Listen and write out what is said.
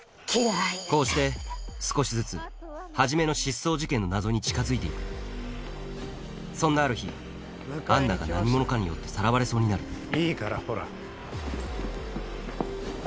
こうして少しずつ始の失踪事件の謎に近づいて行くそんなある日アンナが何者かによってさらわれそうになるいいからほら。